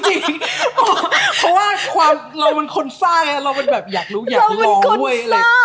จริงเพราะว่าเราเป็นคนซ่าไงเราเป็นแบบอยากรู้อยากรอด้วย